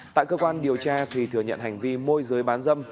tại cơ quan điều tra thùy thừa nhận hành vi môi giới bán dâm